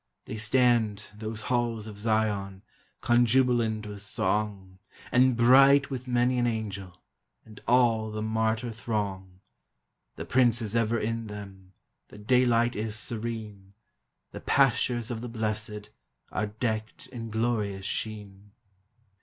They stand, those halls of Zion, Conjubilant with song, And bright with many an angel, And all the martyr throng; The Prince is ever in them, The daylight is serene; The pastures of the Blessed Are decked in glorious sheen.